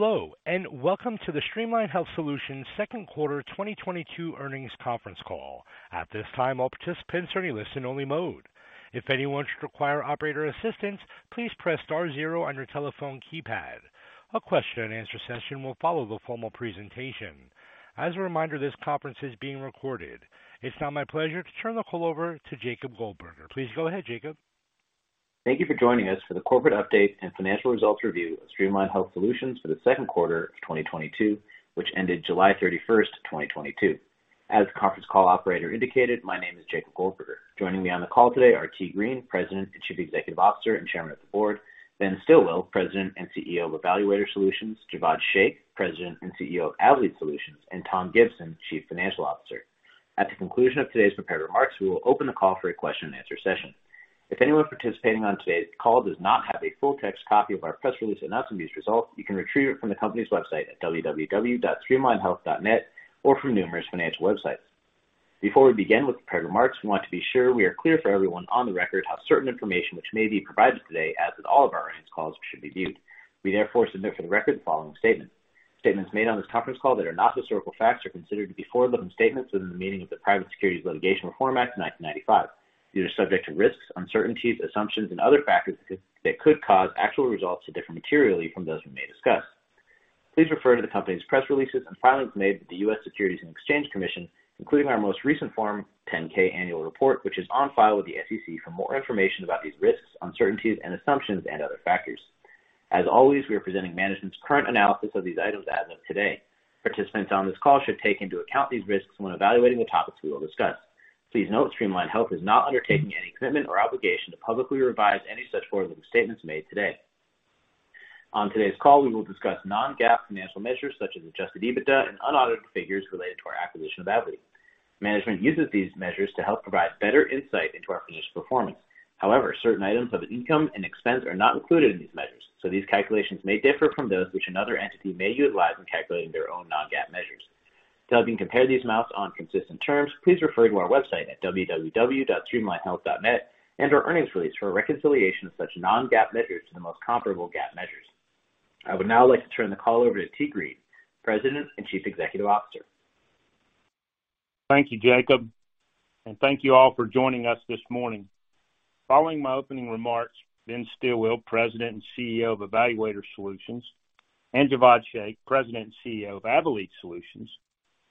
Hello, and welcome to the Streamline Health Solutions Q2 2022 Earnings Conference Call. At this time, all participants are in listen only mode. If anyone should require operator assistance, please press star zero on your telephone keypad. A question-and-answer session will follow the formal presentation. As a reminder, this conference is being recorded. It's now my pleasure to turn the call over to Jacob Goldberger. Please go ahead, Jacob. Thank you for joining us for the corporate update and financial results review of Streamline Health Solutions for the Q2 of 2022, which ended July 31st, 2022. As the conference call operator indicated, my name is Jacob Goldberger. Joining me on the call today are Tee Green, President and Chief Executive Officer and Chairman of the Board, Ben Stilwill, President and CEO of eValuator Solutions, Jawad Shaikh, President and CEO of Avelead Solutions, and Tom Gibson, Chief Financial Officer. At the conclusion of today's prepared remarks, we will open the call for a question-and-answer session. If anyone participating on today's call does not have a full text copy of our press release announcing these results, you can retrieve it from the company's website at www.streamlinehealth.net or from numerous financial websites. Before we begin with the prepared remarks, we want to be sure we are clear for everyone on the record how certain information which may be provided today, as with all of our earnings calls, should be viewed. We therefore submit for the record the following statement. Statements made on this conference call that are not historical facts are considered to be forward-looking statements within the meaning of the Private Securities Litigation Reform Act of 1995. These are subject to risks, uncertainties, assumptions and other factors that could cause actual results to differ materially from those we may discuss. Please refer to the company's press releases and filings made with the US Securities and Exchange Commission, including our most recent Form 10-K annual report, which is on file with the SEC for more information about these risks, uncertainties and assumptions and other factors. As always, we are presenting management's current analysis of these items as of today. Participants on this call should take into account these risks when evaluating the topics we will discuss. Please note, Streamline Health is not undertaking any commitment or obligation to publicly revise any such forward-looking statements made today. On today's call, we will discuss non-GAAP financial measures such as adjusted EBITDA and unaudited figures related to our acquisition of Avelead. Management uses these measures to help provide better insight into our financial performance. However, certain items of income and expense are not included in these measures, so these calculations may differ from those which another entity may utilize in calculating their own non-GAAP measures. To help you compare these amounts on consistent terms, please refer to our website at www.streamlinehealth.net and our earnings release for a reconciliation of such non-GAAP measures to the most comparable GAAP measures. I would now like to turn the call over to Tee Green, President and Chief Executive Officer. Thank you, Jacob, and thank you all for joining us this morning. Following my opening remarks, Ben Stilwill, President and CEO of eValuator Solutions, and Jawad Shaikh, President and CEO of Avelead Solutions,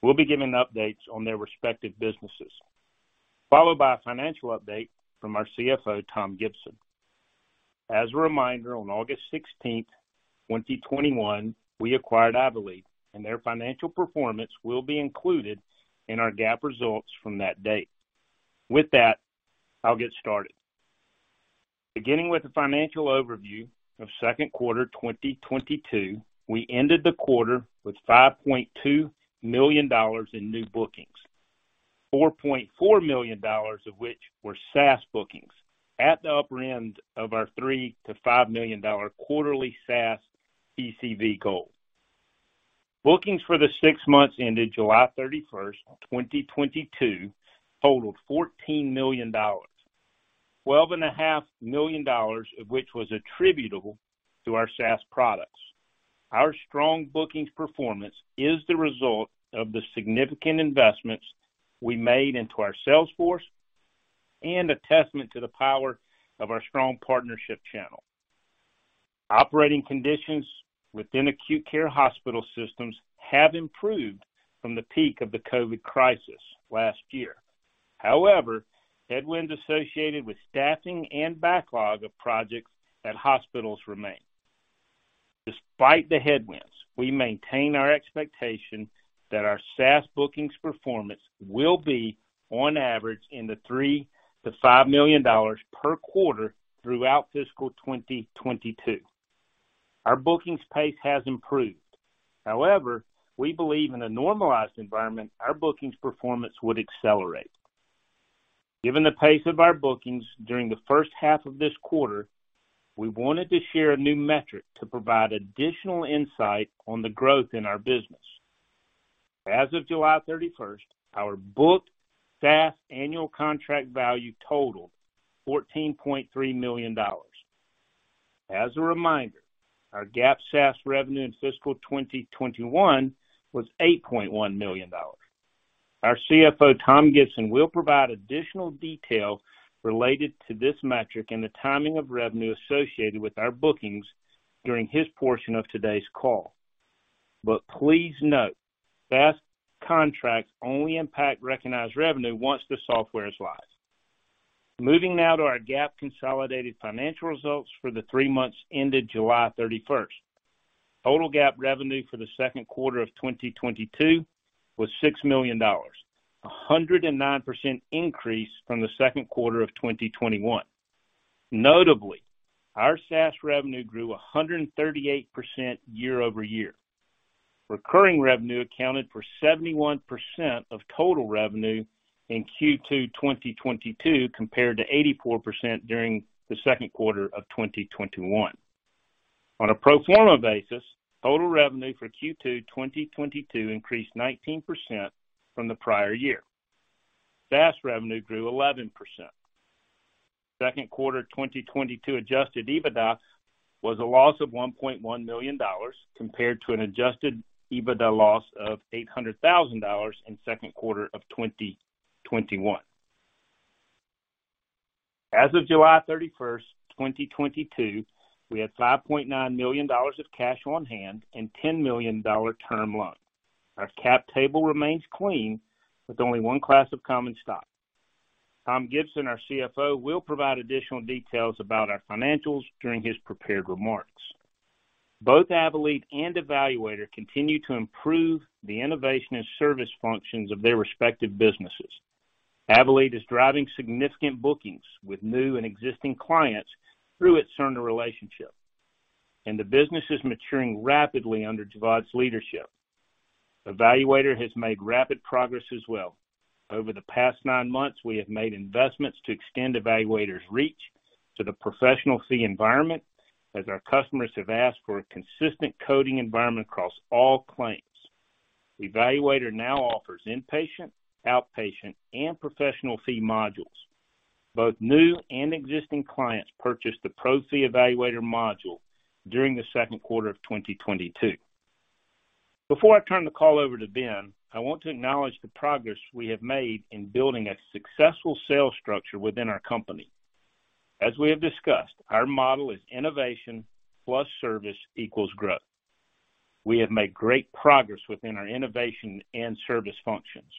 will be giving updates on their respective businesses, followed by a financial update from our CFO, Tom Gibson. As a reminder, on August 16th, 2021, we acquired Avelead and their financial performance will be included in our GAAP results from that date. With that, I'll get started. Beginning with the financial overview of Q2 2022, we ended the quarter with $5.2 million in new bookings, $4.4 million of which were SaaS bookings, at the upper end of our $3 million-$5 million quarterly SaaS ACV goal. Bookings for the six months ended July 31st, 2022 totaled $14 million, $12.5 million of which was attributable to our SaaS products. Our strong bookings performance is the result of the significant investments we made into our sales force and a testament to the power of our strong partnership channel. Operating conditions within acute care hospital systems have improved from the peak of the COVID crisis last year. However, headwinds associated with staffing and backlog of projects at hospitals remain. Despite the headwinds, we maintain our expectation that our SaaS bookings performance will be on average $3 million-$5 million per quarter throughout fiscal 2022. Our bookings pace has improved. However, we believe in a normalized environment, our bookings performance would accelerate. Given the pace of our bookings during the first half of this quarter, we wanted to share a new metric to provide additional insight on the growth in our business. As of July 31st, our booked SaaS annual contract value totaled $14.3 million. As a reminder, our GAAP SaaS revenue in fiscal 2021 was $8.1 million. Our CFO, Tom Gibson, will provide additional detail related to this metric and the timing of revenue associated with our bookings during his portion of today's call. Please note, SaaS contracts only impact recognized revenue once the software is live. Moving now to our GAAP consolidated financial results for the three months ended July 31st. Total GAAP revenue for the Q2 of 2022 was $6 million, 109% increase from the Q2 of 2021. Notably, our SaaS revenue grew 138% year-over-year. Recurring revenue accounted for 71% of total revenue in Q2 2022, compared to 84% during the Q2 of 2021. On a pro forma basis, total revenue for Q2 2022 increased 19% from the prior year. SaaS revenue grew 11%. Q2 2022 adjusted EBITDA was a loss of $1.1 million compared to an adjusted EBITDA loss of $800,000 in Q2 of 2021. As of July 31st, 2022, we had $5.9 million of cash on hand and $10 million term loan. Our cap table remains clean with only one class of common stock. Tom Gibson, our CFO, will provide additional details about our financials during his prepared remarks. Both Avelead and eValuator continue to improve the innovation and service functions of their respective businesses. Avelead is driving significant bookings with new and existing clients through its Cerner relationship, and the business is maturing rapidly under Jawad's leadership. eValuator has made rapid progress as well. Over the past nine months, we have made investments to extend eValuator's reach to the professional fee environment as our customers have asked for a consistent coding environment across all claims. eValuator now offers inpatient, outpatient, and professional fee modules. Both new and existing clients purchased the Pro-Fee eValuator module during the Q2 of 2022. Before I turn the call over to Ben, I want to acknowledge the progress we have made in building a successful sales structure within our company. As we have discussed, our model is innovation plus service equals growth. We have made great progress within our innovation and service functions.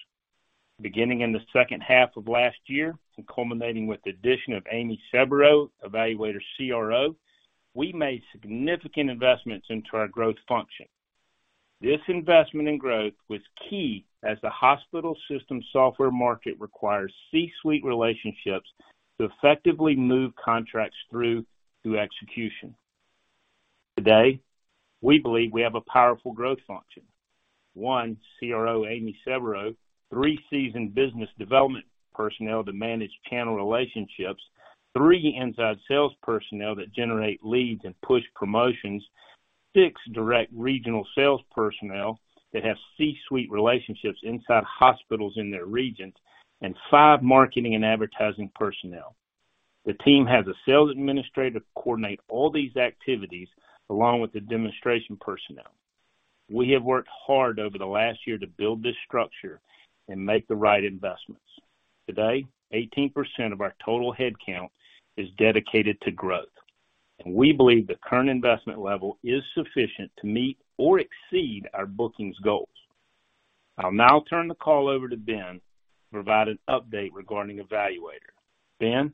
Beginning in the second half of last year and culminating with the addition of Amy Sebero, eValuator CRO, we made significant investments into our growth function. This investment in growth was key as the hospital system software market requires C-suite relationships to effectively move contracts through to execution. Today, we believe we have a powerful growth function. One CRO, Amy Sebero, three seasoned business development personnel to manage channel relationships, three inside sales personnel that generate leads and push promotions, six direct regional sales personnel that have C-suite relationships inside hospitals in their regions, and five marketing and advertising personnel. The team has a sales administrator to coordinate all these activities along with the demonstration personnel. We have worked hard over the last year to build this structure and make the right investments. Today, 18% of our total headcount is dedicated to growth, and we believe the current investment level is sufficient to meet or exceed our bookings goals. I'll now turn the call over to Ben to provide an update regarding eValuator. Ben.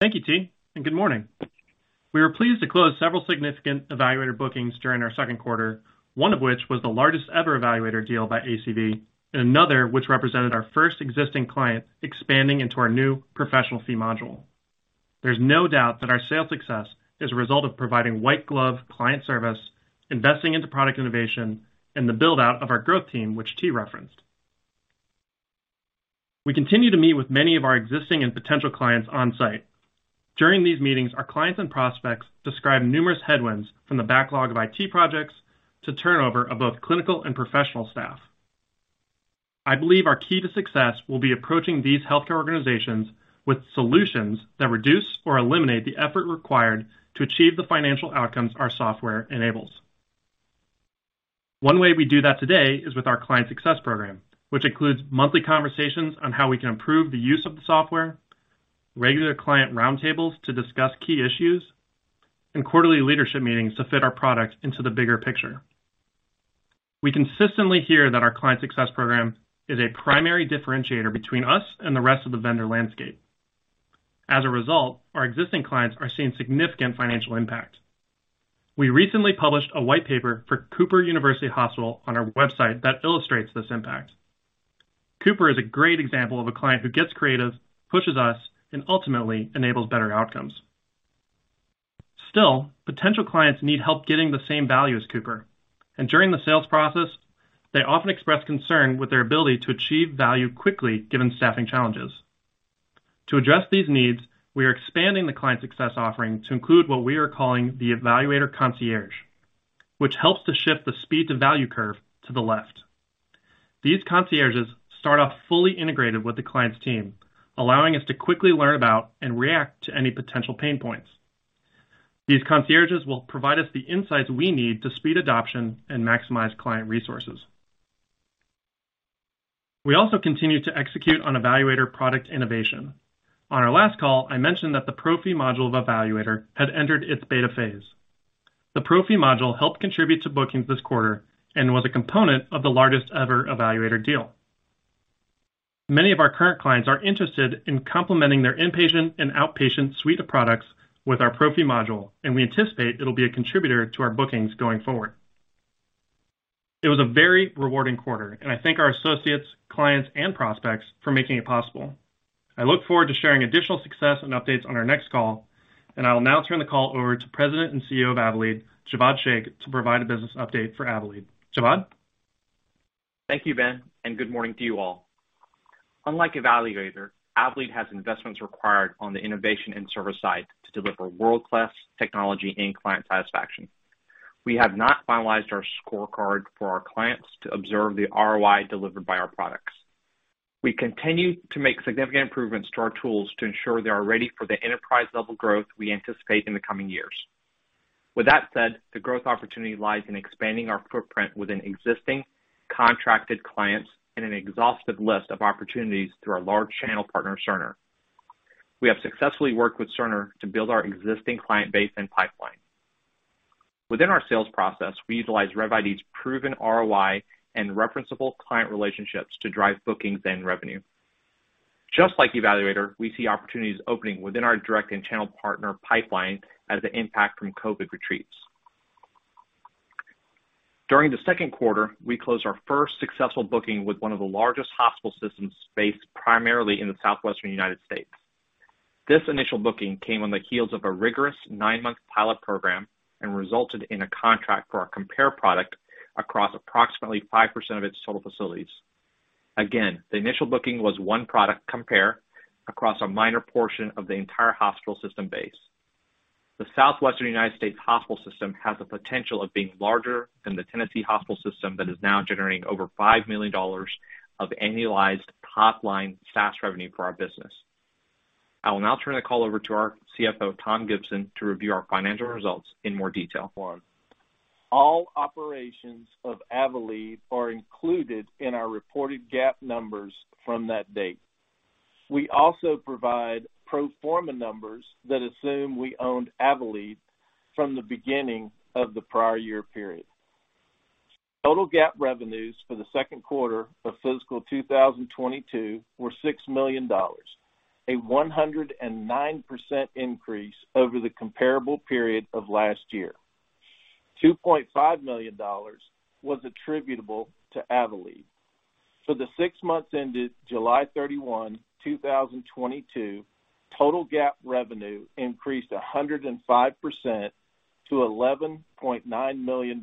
Thank you, Tee, and good morning. We were pleased to close several significant eValuator bookings during our Q2, one of which was the largest ever eValuator deal by ACV, and another which represented our first existing client expanding into our new professional fee module. There's no doubt that our sales success is a result of providing white glove client service, investing into product innovation, and the build-out of our growth team, which Tee referenced. We continue to meet with many of our existing and potential clients on site. During these meetings, our clients and prospects describe numerous headwinds from the backlog of IT projects to turnover of both clinical and professional staff. I believe our key to success will be approaching these healthcare organizations with solutions that reduce or eliminate the effort required to achieve the financial outcomes our software enables. One way we do that today is with our client success program, which includes monthly conversations on how we can improve the use of the software, regular client roundtables to discuss key issues, and quarterly leadership meetings to fit our product into the bigger picture. We consistently hear that our client success program is a primary differentiator between us and the rest of the vendor landscape. As a result, our existing clients are seeing significant financial impact. We recently published a white paper for Cooper University Hospital on our website that illustrates this impact. Cooper is a great example of a client who gets creative, pushes us, and ultimately enables better outcomes. Still, potential clients need help getting the same value as Cooper, and during the sales process, they often express concern with their ability to achieve value quickly, given staffing challenges. To address these needs, we are expanding the client success offering to include what we are calling the eValuator concierge, which helps to shift the speed to value curve to the left. These concierges start off fully integrated with the client's team, allowing us to quickly learn about and react to any potential pain points. These concierges will provide us the insights we need to speed adoption and maximize client resources. We also continue to execute on eValuator product innovation. On our last call, I mentioned that the Pro-Fee module of eValuator had entered its beta phase. The Pro-Fee module helped contribute to bookings this quarter and was a component of the largest ever eValuator deal. Many of our current clients are interested in complementing their inpatient and outpatient suite of products with our Pro-Fee module, and we anticipate it'll be a contributor to our bookings going forward. It was a very rewarding quarter, and I thank our associates, clients, and prospects for making it possible. I look forward to sharing additional success and updates on our next call. I will now turn the call over to President and CEO of Avelead, Jawad Shaikh, to provide a business update for Avelead. Jawad. Thank you, Ben, and good morning to you all. Unlike eValuator, Avelead has investments required on the innovation and service side to deliver world-class technology and client satisfaction. We have not finalized our scorecard for our clients to observe the ROI delivered by our products. We continue to make significant improvements to our tools to ensure they are ready for the enterprise-level growth we anticipate in the coming years. With that said, the growth opportunity lies in expanding our footprint within existing contracted clients and an exhaustive list of opportunities through our large channel partner, Cerner. We have successfully worked with Cerner to build our existing client base and pipeline. Within our sales process, we utilize RevID's proven ROI and referenceable client relationships to drive bookings and revenue. Just like eValuator, we see opportunities opening within our direct and channel partner pipeline as the impact from COVID retreats. During the Q2, we closed our first successful booking with one of the largest hospital systems based primarily in the Southwestern United States. This initial booking came on the heels of a rigorous nine-month pilot program and resulted in a contract for our Compare product across approximately 5% of its total facilities. Again, the initial booking was one product, Compare, across a minor portion of the entire hospital system base. The Southwestern United States hospital system has the potential of being larger than the Tennessee hospital system that is now generating over $5 million of annualized top-line SaaS revenue for our business. I will now turn the call over to our CFO, Tom Gibson, to review our financial results in more detail. All operations of Avelead are included in our reported GAAP numbers from that date. We also provide pro forma numbers that assume we owned Avelead from the beginning of the prior year period. Total GAAP revenues for the Q2 of fiscal 2022 were $6 million, a 109% increase over the comparable period of last year. $2.5 million was attributable to Avelead. For the six months ended July 31, 2022, total GAAP revenue increased 105% to $11.9 million.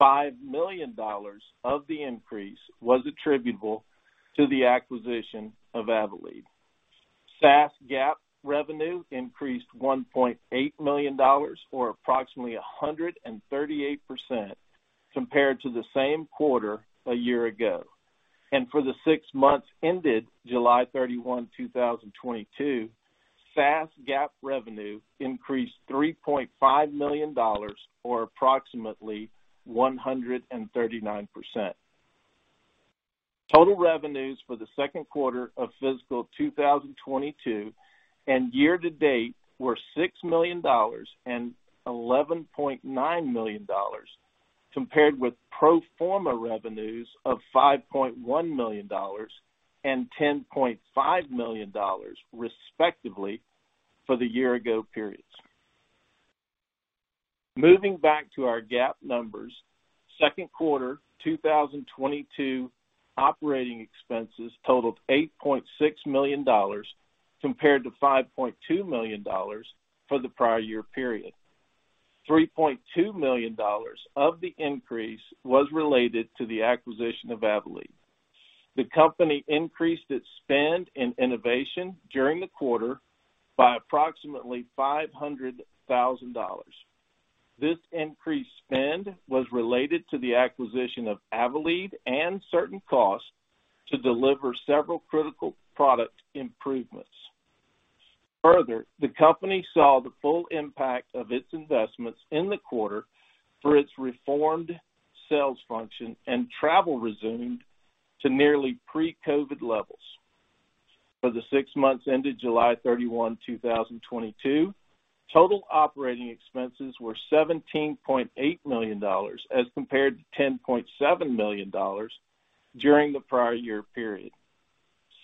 $5 million of the increase was attributable to the acquisition of Avelead. SaaS GAAP revenue increased $1.8 million, or approximately 138% compared to the same quarter a year ago. For the six months ended July 31, 2022, SaaS GAAP revenue increased $3.5 million, or approximately 139%. Total revenues for the Q2 of fiscal 2022 and year to date were $6 million and $11.9 million, compared with pro forma revenues of $5.1 million and $10.5 million, respectively, for the year ago periods. Moving back to our GAAP numbers, Q2 2022 operating expenses totaled $8.6 million compared to $5.2 million for the prior year period. $3.2 million of the increase was related to the acquisition of Avelead. The company increased its spend in innovation during the quarter by approximately $500,000. This increased spend was related to the acquisition of Avelead and certain costs to deliver several critical product improvements. Further, the company saw the full impact of its investments in the quarter for its reformed sales function, and travel resumed to nearly pre-COVID levels. For the six months ended July 31, 2022, total operating expenses were $17.8 million as compared to $10.7 million during the prior year period.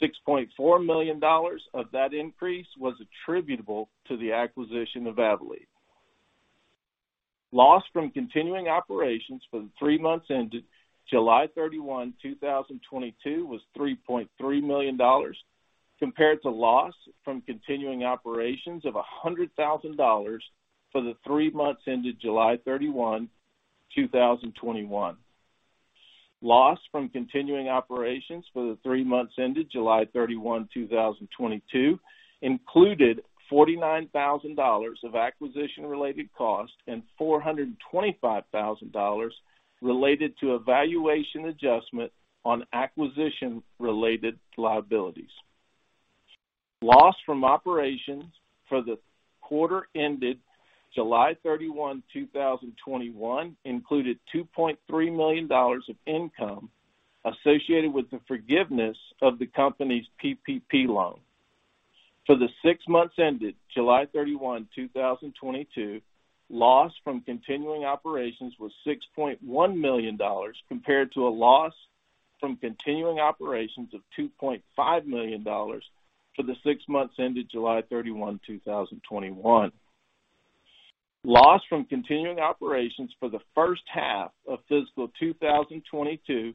$6.4 million of that increase was attributable to the acquisition of Avelead. Loss from continuing operations for the three months ended July 31, 2022 was $3.3 million, compared to loss from continuing operations of $100,000 for the three months ended July 31, 2021. Loss from continuing operations for the three months ended July 31, 2022 included $49,000 of acquisition-related costs and $425,000 related to a valuation adjustment on acquisition-related liabilities. Loss from operations for the quarter ended July 31, 2021 included $2.3 million of income associated with the forgiveness of the company's PPP loan. For the six months ended July 31, 2022, loss from continuing operations was $6.1 million, compared to a loss from continuing operations of $2.5 million for the six months ended July 31, 2021. Loss from continuing operations for the first half of fiscal 2022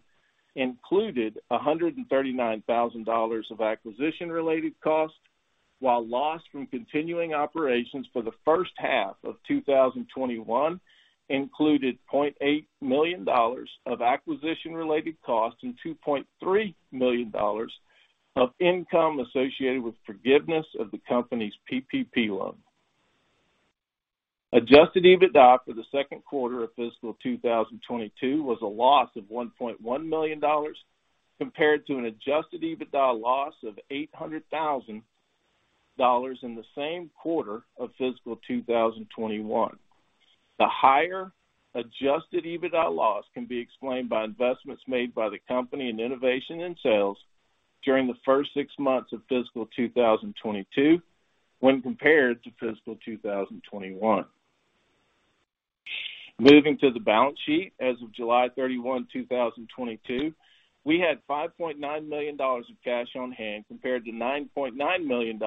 included $139,000 of acquisition-related costs, while loss from continuing operations for the first half of 2021 included $0.8 million of acquisition-related costs and $2.3 million of income associated with forgiveness of the company's PPP loan. Adjusted EBITDA for the Q2 of fiscal 2022 was a loss of $1.1 million compared to an adjusted EBITDA loss of $800,000 in the same quarter of fiscal 2021. The higher adjusted EBITDA loss can be explained by investments made by the company in innovation and sales during the first six months of fiscal 2022 when compared to fiscal 2021. Moving to the balance sheet. As of July 31, 2022, we had $5.9 million of cash on hand compared to $9.9 million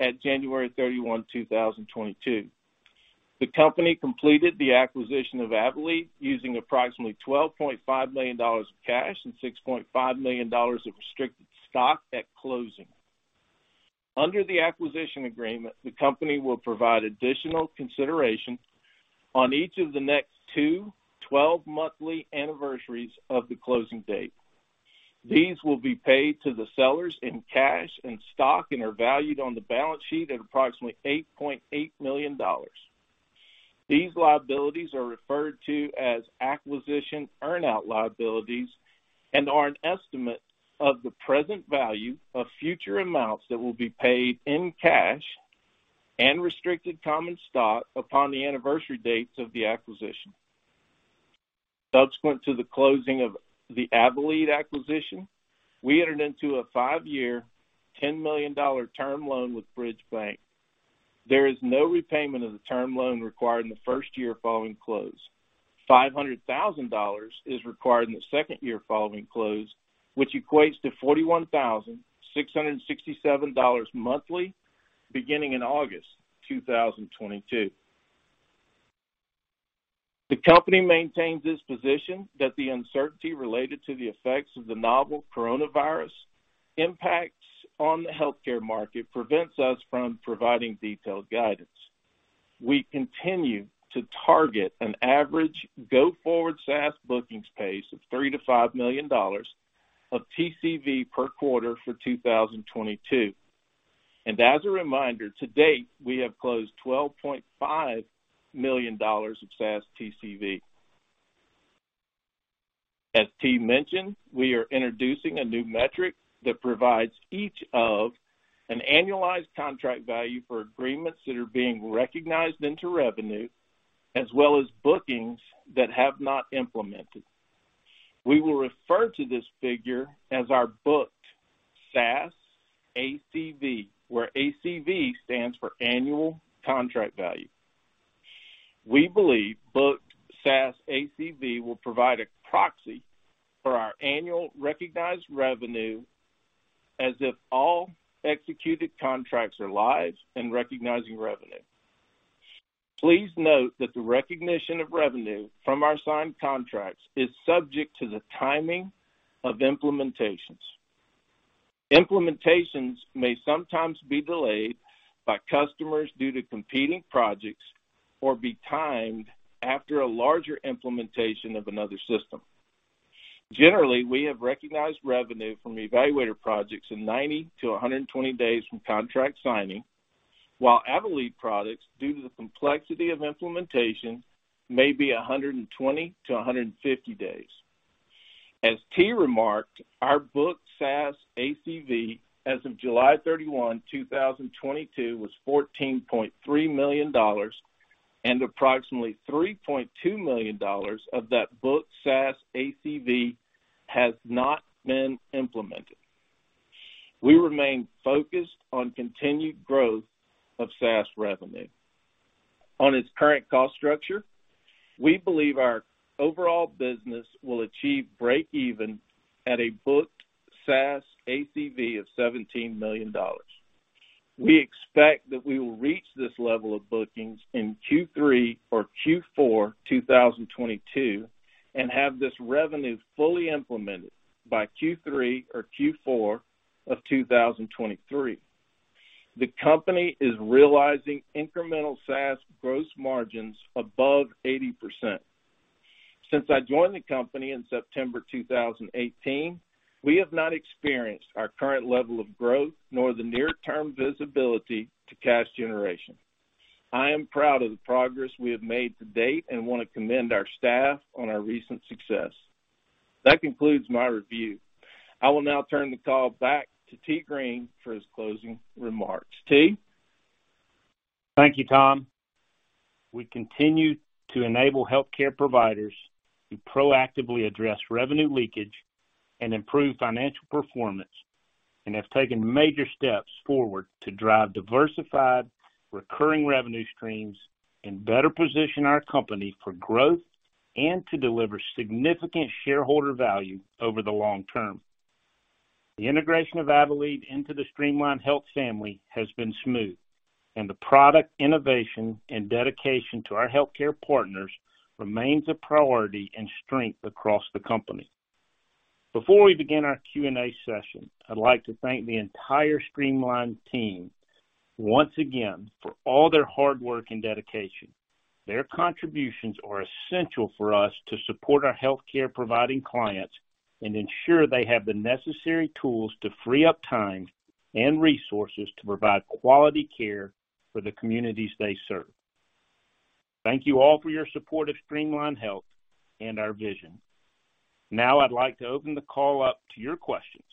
at January 31, 2022. The company completed the acquisition of Avelead using approximately $12.5 million of cash and $6.5 million of restricted stock at closing. Under the acquisition agreement, the company will provide additional consideration on each of the next two 12-monthly anniversaries of the closing date. These will be paid to the sellers in cash and stock and are valued on the balance sheet at approximately $8.8 million. These liabilities are referred to as acquisition earn-out liabilities and are an estimate of the present value of future amounts that will be paid in cash and restricted common stock upon the anniversary dates of the acquisition. Subsequent to the closing of the Avelead acquisition, we entered into a five-year, $10 million term loan with Bridge Bank. There is no repayment of the term loan required in the first year following close. $500,000 is required in the second year following close, which equates to $41,667 monthly beginning in August 2022. The company maintains its position that the uncertainty related to the effects of the novel coronavirus impacts on the healthcare market prevents us from providing detailed guidance. We continue to target an average go forward SaaS bookings pace of $3 million-$5 million of TCV per quarter for 2022. As a reminder, to date, we have closed $12.5 million of SaaS TCV. As Tee mentioned, we are introducing a new metric that provides an annualized contract value for agreements that are being recognized into revenue, as well as bookings that have not implemented. We will refer to this figure as our booked SaaS ACV, where ACV stands for annualized contract value. We believe booked SaaS ACV will provide a proxy for our annual recognized revenue as if all executed contracts are live and recognizing revenue. Please note that the recognition of revenue from our signed contracts is subject to the timing of implementations. Implementations may sometimes be delayed by customers due to competing projects or be timed after a larger implementation of another system. Generally, we have recognized revenue from eValuator projects in 90-120 days from contract signing, while Avelead products, due to the complexity of implementation, may be 120-150 days. As Tee remarked, our booked SaaS ACV as of July 31, 2022, was $14.3 million, and approximately $3.2 million of that booked SaaS ACV has not been implemented. We remain focused on continued growth of SaaS revenue. On its current cost structure, we believe our overall business will achieve breakeven at a booked SaaS ACV of $17 million. We expect that we will reach this level of bookings in Q3 or Q4 2022, and have this revenue fully implemented by Q3 or Q4 of 2023. The company is realizing incremental SaaS gross margins above 80%. Since I joined the company in September 2018, we have not experienced our current level of growth nor the near term visibility to cash generation. I am proud of the progress we have made to date and want to commend our staff on our recent success. That concludes my review. I will now turn the call back to Tee Green for his closing remarks. Tee? Thank you, Tom. We continue to enable healthcare providers to proactively address revenue leakage and improve financial performance, and have taken major steps forward to drive diversified recurring revenue streams and better position our company for growth and to deliver significant shareholder value over the long term. The integration of Avelead into the Streamline Health family has been smooth, and the product innovation and dedication to our healthcare partners remains a priority and strength across the company. Before we begin our Q&A session, I'd like to thank the entire Streamline team once again for all their hard work and dedication. Their contributions are essential for us to support our healthcare providing clients and ensure they have the necessary tools to free up time and resources to provide quality care for the communities they serve. Thank you all for your support of Streamline Health and our vision. Now I'd like to open the call up to your questions.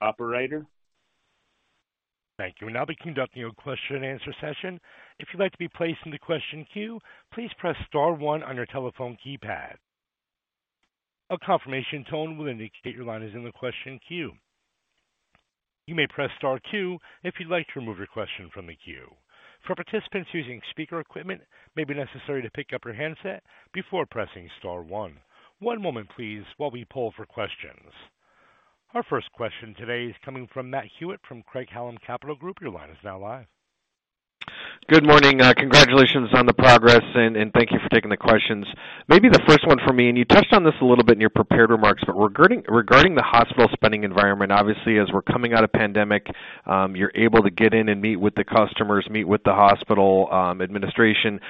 Operator? Thank you. We'll now be conducting a question-and-answer session. If you'd like to be placed in the question queue, please press star one on your telephone keypad. A confirmation tone will indicate your line is in the question queue. You may press star two if you'd like to remove your question from the queue. For participants using speaker equipment, it may be necessary to pick up your handset before pressing star one. One moment please while we poll for questions. Our first question today is coming from Matt Hewitt from Craig-Hallum Capital Group. Your line is now live. Good morning. Congratulations on the progress and thank you for taking the questions. Maybe the first one for me, and you touched on this a little bit in your prepared remarks, but regarding the hospital spending environment, obviously, as we're coming out of pandemic, you're able to get in and meet with the customers, meet with the hospital administration,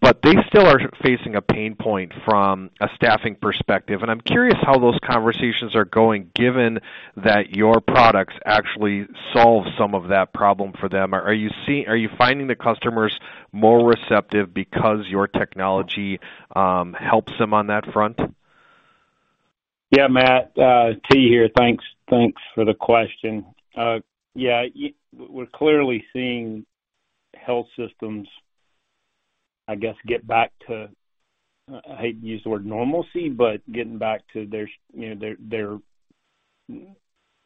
but they still are facing a pain point from a staffing perspective. I'm curious how those conversations are going given that your products actually solve some of that problem for them. Are you finding the customers more receptive because your technology helps them on that front? Yeah, Matt, Tee here. Thanks for the question. Yeah, we're clearly seeing health systems, I guess, get back to. I hate to use the word normalcy, but getting back to their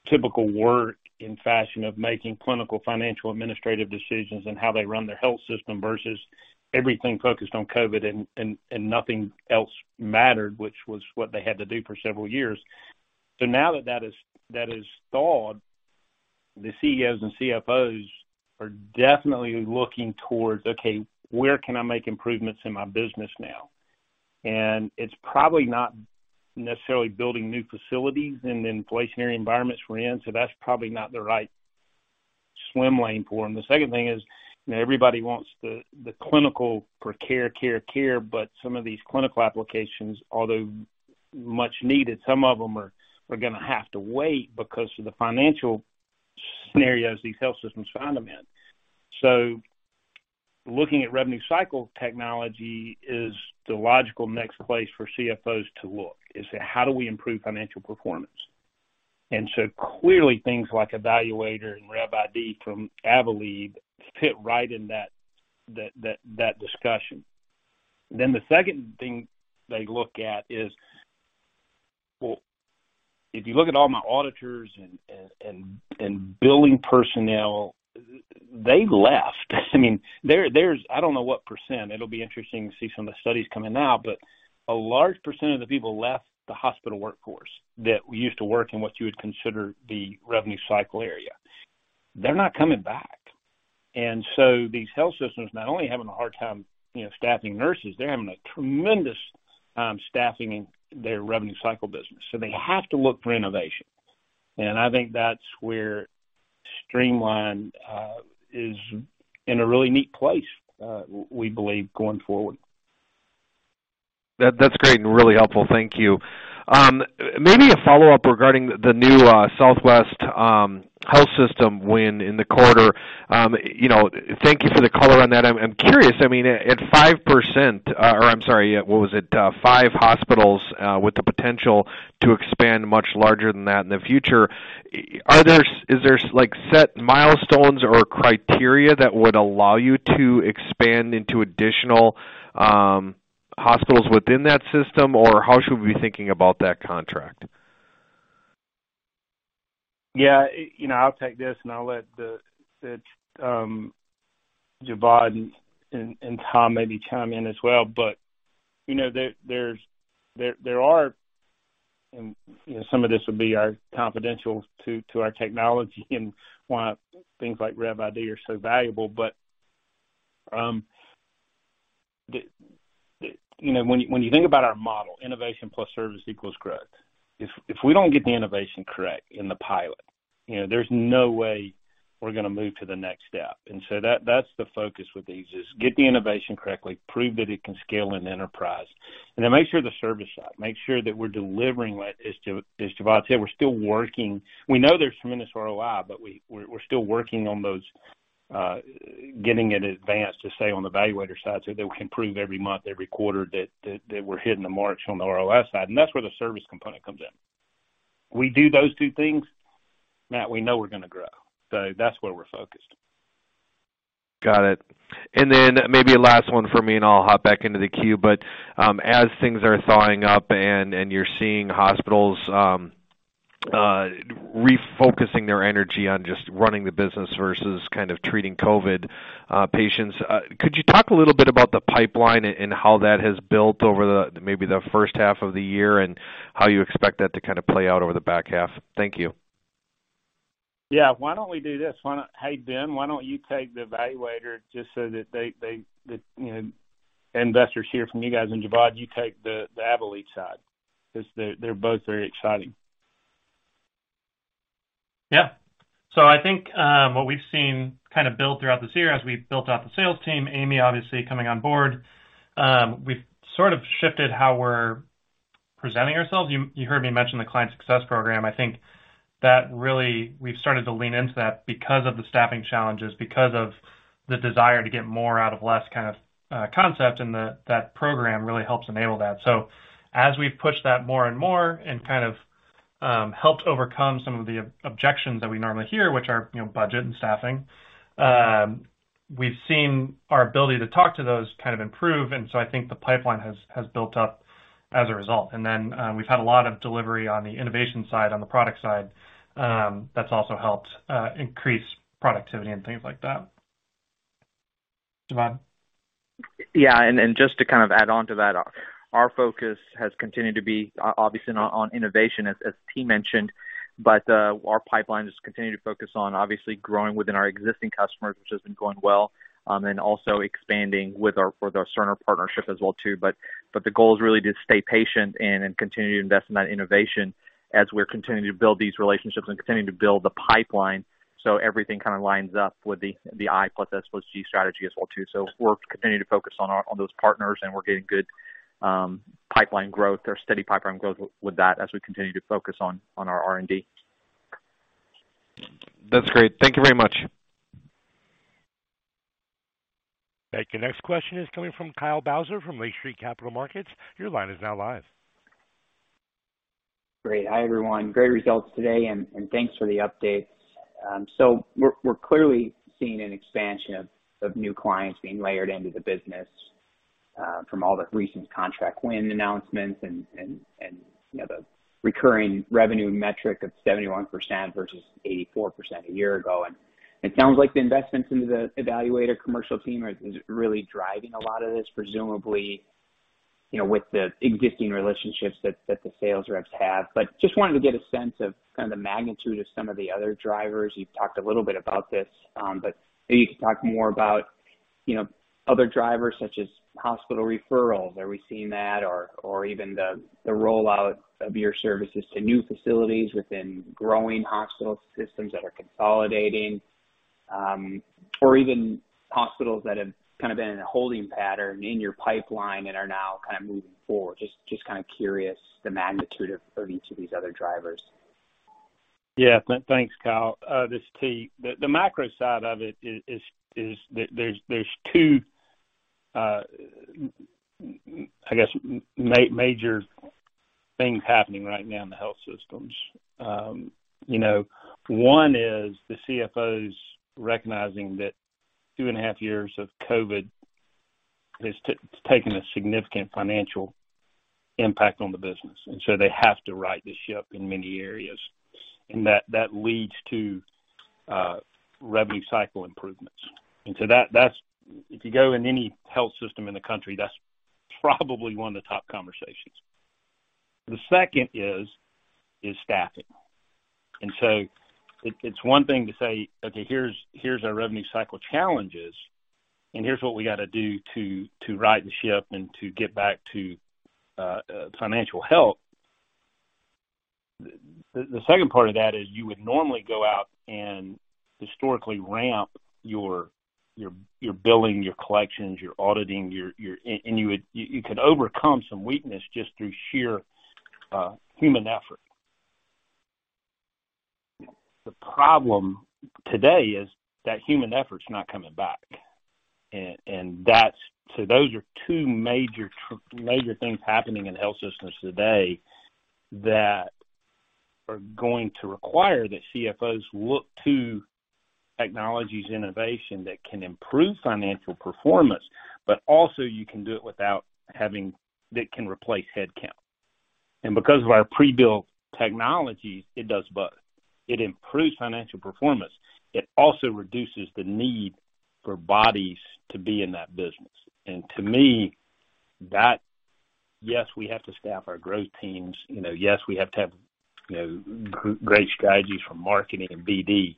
typical fashion of making clinical, financial, administrative decisions and how they run their health system versus everything focused on COVID and nothing else mattered, which was what they had to do for several years. Now that has thawed, the CEOs and CFOs are definitely looking towards, okay, where can I make improvements in my business now? It's probably not necessarily building new facilities in the inflationary environments we're in, so that's probably not the right swim lane for them. The second thing is, you know, everybody wants the clinical for care, but some of these clinical applications, although much needed, some of them are gonna have to wait because of the financial scenarios these health systems find them in. Looking at revenue cycle technology is the logical next place for CFOs to look. I say, how do we improve financial performance? Clearly things like eValuator and RevID from Avelead fit right in that discussion. The second thing they look at is, well, if you look at all my auditors and billing personnel, they left. I mean, there's. I don't know what %, it'll be interesting to see some of the studies coming out, but a large % of the people left the hospital workforce that used to work in what you would consider the revenue cycle area. They're not coming back. These health systems not only having a hard time, you know, staffing nurses, they're having a tremendous staffing in their revenue cycle business. They have to look for innovation. I think that's where Streamline is in a really neat place, we believe going forward. That's great and really helpful. Thank you. Maybe a follow-up regarding the new Southwest Health System win in the quarter. You know, thank you for the color on that. I'm curious, I mean, at 5% or I'm sorry, what was it? Five hospitals with the potential to expand much larger than that in the future. Is there like set milestones or criteria that would allow you to expand into additional hospitals within that system? Or how should we be thinking about that contract? Yeah. You know, I'll take this and I'll let the Jawad and Tom maybe chime in as well. You know, there are some of this will be our confidential to our technology and why things like RevID are so valuable. You know, when you think about our model, innovation plus service equals growth. If we don't get the innovation correct in the pilot, you know, there's no way we're gonna move to the next step. That's the focus with these, is get the innovation correctly, prove that it can scale in enterprise, and then make sure the service side, make sure that we're delivering what. As Jawad said, we're still working. We know there's tremendous ROI, but we're still working on those, getting it advanced to say, on the eValuator side, so that we can prove every month, every quarter that we're hitting the marks on the ROI side. That's where the service component comes in. We do those two things, Matt, we know we're gonna grow. That's where we're focused. Got it. Then maybe a last one for me, and I'll hop back into the queue. As things are thawing up and you're seeing hospitals refocusing their energy on just running the business versus kind of treating COVID patients, could you talk a little bit about the pipeline and how that has built over the maybe the first half of the year and how you expect that to kind of play out over the back half? Thank you. Yeah. Why don't we do this? Hey, Ben, why don't you take the eValuator just so that they, you know, investors hear from you guys, and Jawad, you take the Avelead side, because they're both very exciting. Yeah. I think what we've seen kind of build throughout this year as we built out the sales team, Amy obviously coming on board, we've sort of shifted how we're presenting ourselves. You heard me mention the client success program. I think that really we've started to lean into that because of the staffing challenges, because of the desire to get more out of less kind of concept, and that program really helps enable that. As we've pushed that more and more and kind of helped overcome some of the objections that we normally hear, which are, you know, budget and staffing, we've seen our ability to talk to those kind of improve, and I think the pipeline has built up as a result. We've had a lot of delivery on the innovation side, on the product side, that's also helped increase productivity and things like that. Jawad? Yeah. Just to kind of add on to that, our focus has continued to be obviously on innovation, as Tee mentioned. Our pipeline has continued to focus on obviously growing within our existing customers, which has been going well, and also expanding with our Cerner partnership as well too. The goal is really to stay patient and continue to invest in that innovation as we're continuing to build these relationships and continuing to build the pipeline, so everything kind of lines up with the I+S+G strategy as well too. We're continuing to focus on those partners, and we're getting good pipeline growth or steady pipeline growth with that as we continue to focus on our R&D. That's great. Thank you very much. Thank you. Next question is coming from Kyle Bauser from Lake Street Capital Markets. Your line is now live. Great. Hi, everyone. Great results today and thanks for the update. We're clearly seeing an expansion of new clients being layered into the business, from all the recent contract win announcements and, you know, the recurring revenue metric of 71% versus 84% a year ago. It sounds like the investments into the eValuator commercial team are really driving a lot of this, presumably, you know, with the existing relationships that the sales reps have. Just wanted to get a sense of kind of the magnitude of some of the other drivers. You've talked a little bit about this, but maybe you could talk more about, you know, other drivers such as hospital referrals. Are we seeing that or even the rollout of your services to new facilities within growing hospital systems that are consolidating, or even hospitals that have kind of been in a holding pattern in your pipeline and are now kind of moving forward. Just kind of curious the magnitude of each of these other drivers. Thanks, Kyle. This is Tee. The macro side of it is there's two major things happening right now in the health systems. You know, one is the CFOs recognizing that two and a half years of COVID has taken a significant financial impact on the business, and so they have to right this ship in many areas. That leads to revenue cycle improvements. If you go in any health system in the country, that's probably one of the top conversations. The second is staffing. It's one thing to say, "Okay, here's our revenue cycle challenges, and here's what we gotta do to right the ship and to get back to financial health." The second part of that is you would normally go out and historically ramp your billing, your collections, your auditing. You could overcome some weakness just through sheer human effort. The problem today is that human effort's not coming back. So those are two major things happening in health systems today that are going to require that CFOs look to technological innovation that can improve financial performance, but also you can do it without having that can replace headcount. Because of our pre-built technology, it does both. It improves financial performance. It also reduces the need for bodies to be in that business. To me, that. Yes, we have to staff our growth teams. You know, yes, we have to have, you know, great strategies for marketing and BD.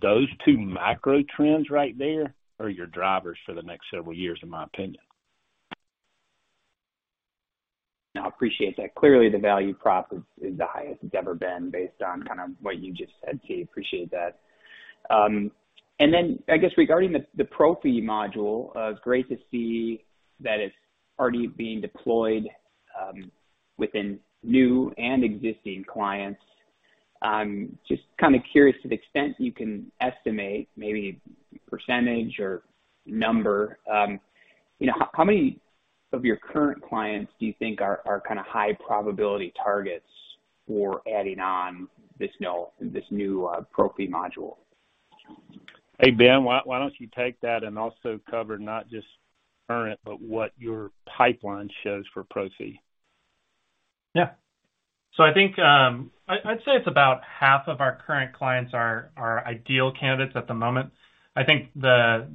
Those two macro trends right there are your drivers for the next several years, in my opinion. No, I appreciate that. Clearly, the value prop is the highest it's ever been based on kind of what you just said, Tee. Appreciate that. I guess regarding the Pro-Fee module, great to see that it's already being deployed within new and existing clients. Just kinda curious to the extent you can estimate maybe percentage or number. You know, how many of your current clients do you think are kinda high probability targets for adding on this new Pro-Fee module? Hey, Ben, why don't you take that and also cover not just current but what your pipeline shows for pro fee? Yeah. I think, I'd say it's about half of our current clients are ideal candidates at the moment. I think the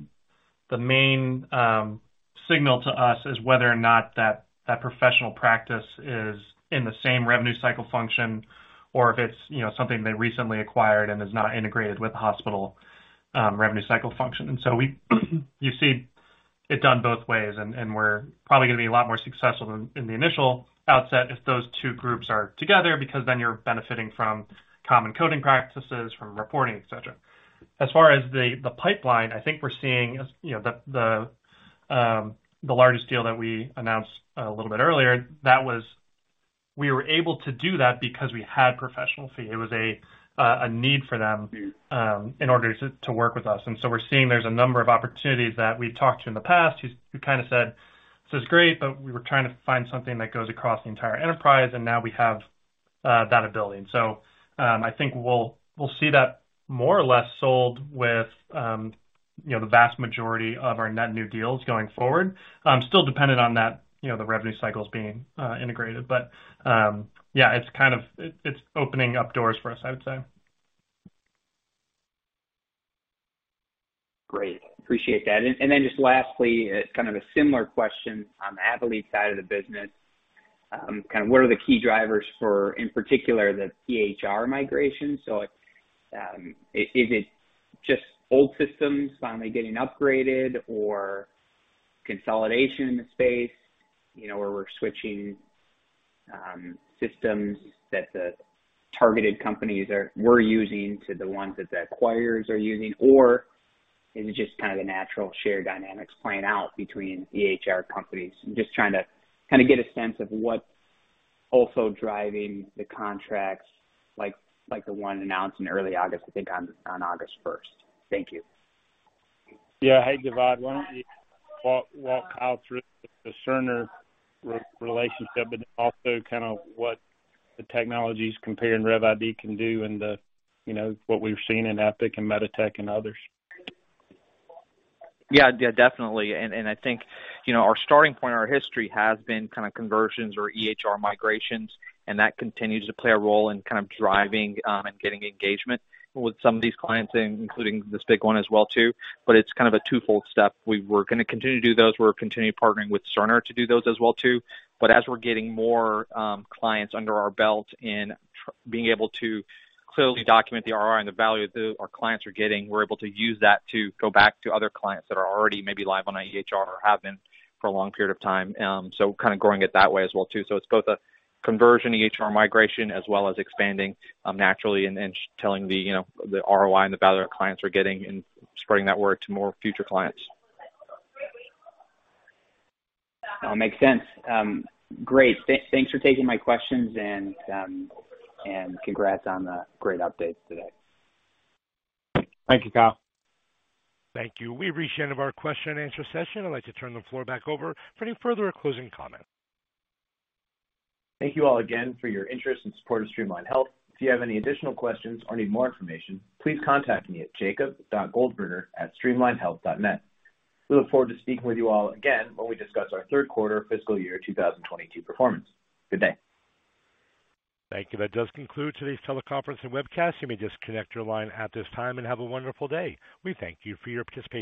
main signal to us is whether or not that professional practice is in the same revenue cycle function or if it's, you know, something they recently acquired and is not integrated with the hospital, revenue cycle function. You see, it's done both ways, and we're probably gonna be a lot more successful in the initial outset if those two groups are together because then you're benefiting from common coding practices, from reporting, et cetera. As far as the pipeline, I think we're seeing, you know, the largest deal that we announced a little bit earlier. That was. We were able to do that because we had professional fee. It was a need for them in order to work with us. We're seeing there's a number of opportunities that we talked to in the past who kinda said, "This is great, but we were trying to find something that goes across the entire enterprise," and now we have that ability. I think we'll see that more or less sold with you know, the vast majority of our net new deals going forward. Still dependent on that, you know, the revenue cycles being integrated. Yeah, it's kind of opening up doors for us, I would say. Great. Appreciate that. Just lastly, kind of a similar question on the Avelead side of the business. Kind of what are the key drivers for, in particular, the EHR migration? Is it just old systems finally getting upgraded or consolidation in the space, you know, where we're switching systems that the targeted companies were using to the ones that the acquirers are using? Or is it just kind of the natural share dynamics playing out between EHR companies? I'm just trying to kind of get a sense of what's also driving the contracts like the one announced in early August, I think on August 1st. Thank you. Yeah. Hey, Jawad, why don't you walk Kyle through the Cerner relationship, but also kinda what the technologies Compare and RevID can do and, you know, what we've seen in Epic and MEDITECH and others. Yeah. Yeah, definitely. I think, you know, our starting point in our history has been kinda conversions or EHR migrations, and that continues to play a role in kind of driving and getting engagement with some of these clients, including this big one as well too. It's kind of a twofold step. We're gonna continue to do those. We're continuing partnering with Cerner to do those as well too. As we're getting more clients under our belt and being able to clearly document the ROI and the value that our clients are getting, we're able to use that to go back to other clients that are already maybe live on an EHR or have been for a long period of time. We're kinda growing it that way as well too. It's both a conversion EHR migration as well as expanding naturally and telling the, you know, the ROI and the value that clients are getting and spreading that word to more future clients. All makes sense. Great. Thanks for taking my questions and congrats on the great updates today. Thank you, Kyle. Thank you. We've reached the end of our question and answer session. I'd like to turn the floor back over for any further closing comments. Thank you all again for your interest and support of Streamline Health. If you have any additional questions or need more information, please contact me at jacob.goldberger@streamlinehealth.net. We look forward to speaking with you all again when we discuss our Q3 Fiscal Year 2022 Performance. Good day. Thank you. That does conclude today's teleconference and webcast. You may disconnect your line at this time, and have a wonderful day. We thank you for your participation.